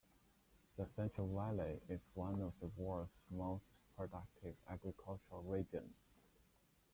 The Central Valley is one of the world's most productive agricultural regions.